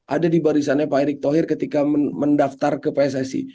ada di barisannya pak erick thohir ketika mendaftar ke pssi